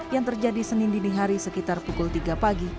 yang terjadi senin dini hari sekitar pukul tiga pagi